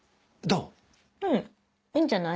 うんいいんじゃない？